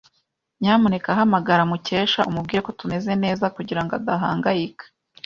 Nyamuneka hamagara Mukesha umubwire ko tumeze neza kugirango adahangayika.